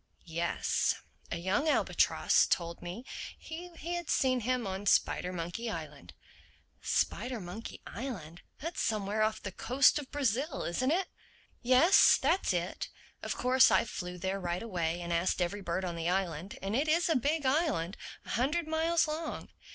"Yes. A young albatross told me he had seen him on Spidermonkey Island?" "Spidermonkey Island? That's somewhere off the coast of Brazil, isn't it?" "Yes, that's it. Of course I flew there right away and asked every bird on the island—and it is a big island, a hundred miles long.